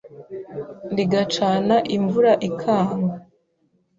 Rigacana imvura ikanga